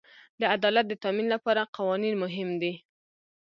د عدالت د تامین لپاره قوانین مهم دي.